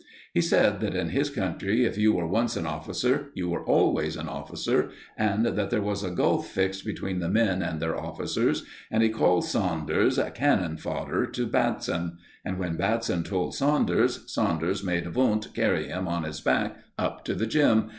He said that in his country if you were once an officer, you were always an officer, and that there was a gulf fixed between the men and their officers; and he called Saunders "cannon fodder" to Batson; and when Batson told Saunders, Saunders made Wundt carry him on his back up to the gym.